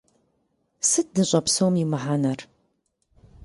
Сыт дыщӏэпсэум и мыхьэнэр?